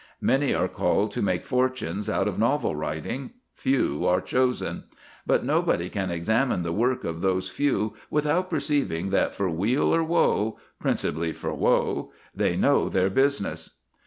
Many are called to make fortunes out of novel writing: few are chosen. But nobody can examine the work of those few without perceiving that for weal or woe principally for woe they know their business.